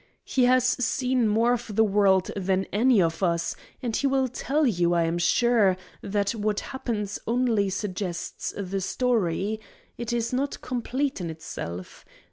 "He has seen more of the world than any of us, and he will tell you, I am sure, that what happens only suggests the story; it is not complete in itself.